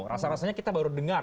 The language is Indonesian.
rasanya kita baru dengar